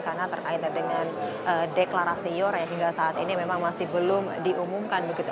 karena terkait dengan deklarasi ayora yang hingga saat ini memang masih belum diumumkan begitu